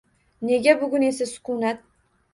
Nega bugun esa — sukunat?